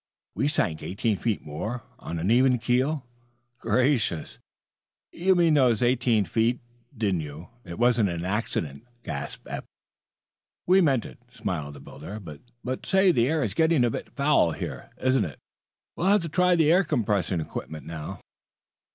We sank eighteen feet more, on an even keel." "Gracious! You meant those eighteen feet, didn't you? It wasn't accident?" gasped Eph. "We meant it," smiled the builder. "But say, the air is getting a bit foul here, isn't it? We'll have to try the compressed air equipment, now."